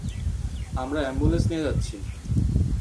আমরা অ্যাম্বুলেন্স নিয়ে যাচ্ছি!